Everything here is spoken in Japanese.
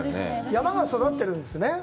山が育ってるんですね。